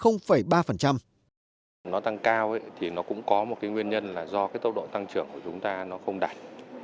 nó tăng cao thì nó cũng có một nguyên nhân là do tốc độ tăng trưởng của chúng ta không đạt